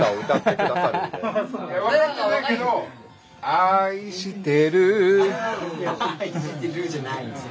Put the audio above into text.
・「愛してる」じゃないんですよ。